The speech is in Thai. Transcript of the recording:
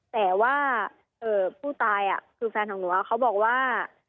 แต่ว่าผู้ตายคือแฟนของหนูเขาบอกว่า